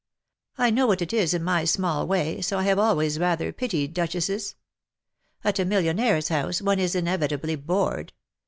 I know what it is in my small way, so I have always rather pitied duchesses. At a millionairess house one is inevitably bored.